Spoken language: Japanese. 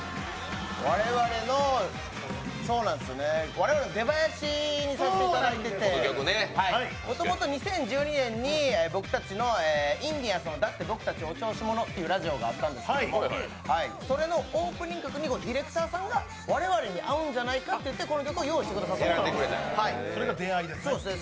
我々の出囃子にさせていただいていて、もともと２０１２年に僕たちの、「インディアンスのだって僕たちお調子者」というラジオがあったんですけども、それのオープニング曲にディレクターさんが、我々に合うんじゃないかってそれが出会いですね。